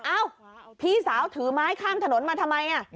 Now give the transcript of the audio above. อ๊าวพี่สาวถือไม้คลั่งถนนมาทำไม